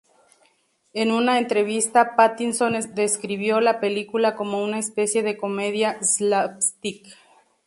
En una entrevista, Pattinson describió la película como "una especie de comedia slapstick".